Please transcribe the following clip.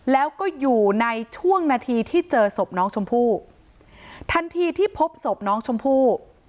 แล้วก็อยู่ในช่วงนาทีที่เจอศพน้องชมพู่ทันทีที่พบศพน้องชมพู่